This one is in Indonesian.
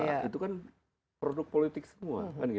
itu kan produk politik semua